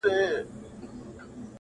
پکښي ډلي د لوټمارو گرځېدلې٫